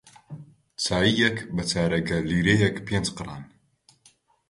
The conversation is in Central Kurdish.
چایییەک بە چارەگە لیرەیەک پێنج قڕان